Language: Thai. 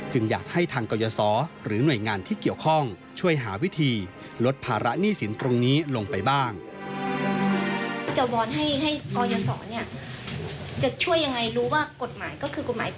ให้กรยสรเนี่ยจะช่วยยังไงรู้ว่ากฎหมายก็คือกฎหมาย